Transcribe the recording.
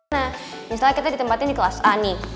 nah misalnya kita ditempatin di kelas a nih